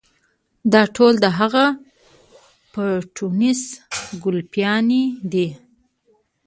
دا ټول د هغه پټنوس ګلپيانې دي.